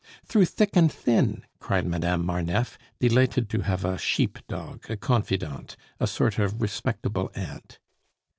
"Through thick and thin!" cried Madame Marneffe, delighted to have a sheep dog, a confidante, a sort of respectable aunt.